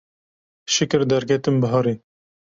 Şikir derketim biharê